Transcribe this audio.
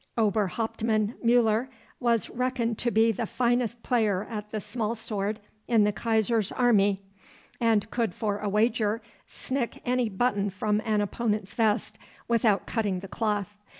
Ober hauptmann Muller was reckoned to be the finest player at the small sword in the Kaiser's army, and could for a wager snick any button from an opponent's vest without cutting the cloth.